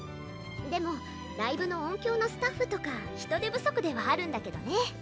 でもライブの音響のスタッフとか人手不足ではあるんだけどね。